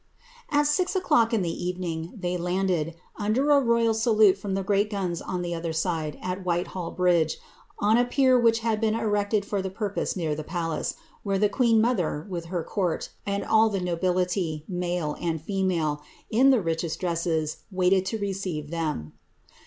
At six o'clock in the evening they landed, under a royal salute from the great guns on the other side, at Whitehall bridge, on a pier which had been erected for the purpose near the palace, wliere tlie queen nother, with her court, and all the nobility, male and female, in the richest dresses, waited to receive them.